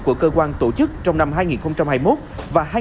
của cơ quan tổ chức trong năm hai nghìn hai mươi một và hai nghìn hai mươi ba